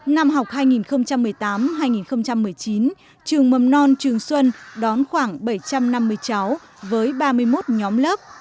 năm học hai nghìn một mươi tám hai nghìn một mươi chín trường mầm non trường xuân đón khoảng bảy trăm năm mươi cháu với ba mươi một nhóm lớp